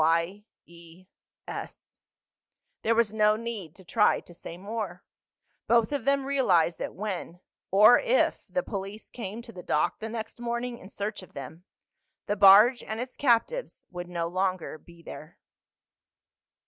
"Y E S." There was no need to try to say more. Both of them realized that when—or if—the police came to the dock the next morning in search of them the barge and its captives would no longer be there.